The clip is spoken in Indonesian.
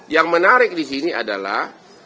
yang menarik di sini adalah